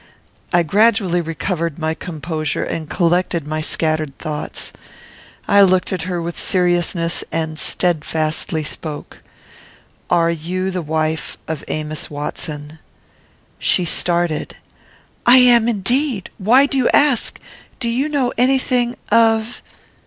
I gradually recovered my composure, and collected my scattered thoughts. I looked at her with seriousness, and steadfastly spoke: "Are you the wife of Amos Watson?" She started: "I am indeed. Why do you ask? Do you know any thing of